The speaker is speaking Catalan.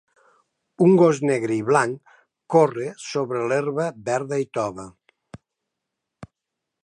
Un gos negre i blanc corre sobre l'herba, verda i tova